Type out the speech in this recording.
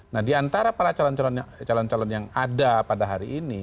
nah diantara para calon calon yang ada pada hari ini